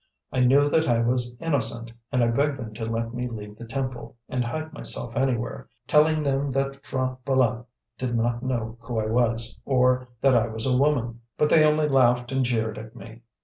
I knew that I was innocent, and I begged them to let me leave the temple, and hide myself anywhere, telling them that P'hra Bâlât did not know who I was, or that I was a woman; but they only laughed and jeered at me.